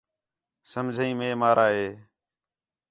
سمجھین مئے مارا ہِے